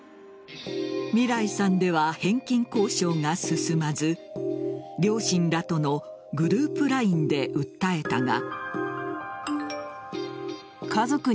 みらいさんでは返金交渉が進まず両親らとのグループＬＩＮＥで訴えたが。